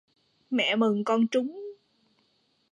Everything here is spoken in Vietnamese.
Mẹ mừng con trúng